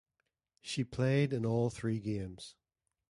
She played in all three games.